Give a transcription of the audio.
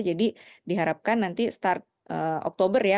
jadi diharapkan nanti start oktober ya